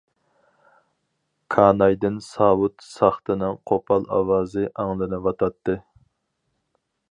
كانايدىن ساۋۇت ساختىنىڭ قوپال ئاۋازى ئاڭلىنىۋاتاتتى.